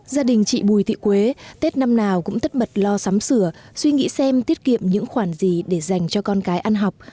gia đình chị bùi thị quế tết năm nào cũng tất bật lo sắm sửa suy nghĩ xem tiết kiệm những khoản gì để dành cho con cái ăn học